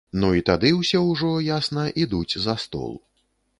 Ну і тады ўсе ўжо, ясна, ідуць за стол.